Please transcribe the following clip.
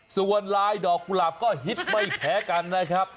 ส่วนลายดอกกุหลาบก็ฮิตไม่แพ้กันนะครับ